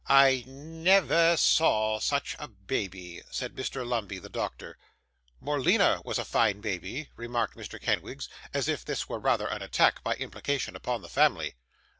'I ne ver saw such a baby,' said Mr. Lumbey, the doctor. 'Morleena was a fine baby,' remarked Mr. Kenwigs; as if this were rather an attack, by implication, upon the family.